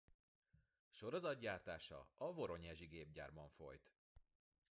Sorozatgyártása a Voronyezsi Gépgyárban folyt.